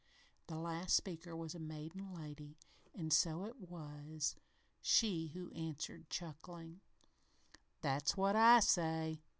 The last speaker was a maiden lady, and so was she who answered, chuckling: "That's what I say!